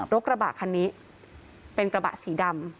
กระบะคันนี้เป็นกระบะสีดำ